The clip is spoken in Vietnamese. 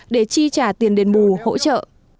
để chi trả tiền đền bù hỗ trợ